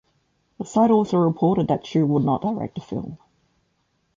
The site also reported that Chu would not direct the film.